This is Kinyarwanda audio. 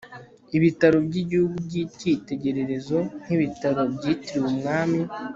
ibitaro by igihugu by ikitegererezo nk ibitaro byitiriwe umwami